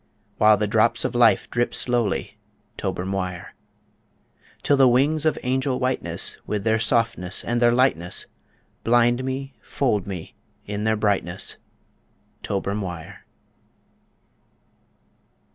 While the drops of life drip slowly, Tober Mhuire Till the wings of angel whiteness, With their softness and their lightness, Blind me, fold me, in their brightness Tober Mhuire.